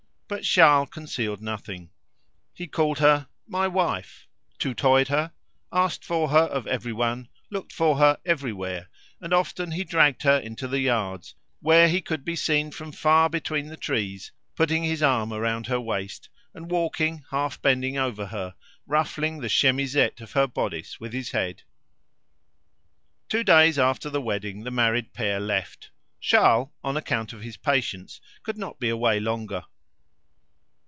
But Charles concealed nothing. He called her "my wife", tutoyéd her, asked for her of everyone, looked for her everywhere, and often he dragged her into the yards, where he could be seen from far between the trees, putting his arm around her waist, and walking half bending over her, ruffling the chemisette of her bodice with his head. Used the familiar form of address. Two days after the wedding the married pair left. Charles, on account of his patients, could not be away longer.